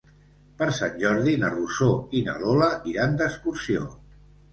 Per Sant Jordi na Rosó i na Lola iran d'excursió.